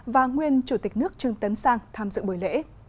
và nguyên chủ tịch nước trương tấn sang tham dự buổi lễ